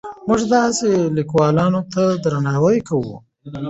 موږ داسې لیکوالانو ته درناوی کوو.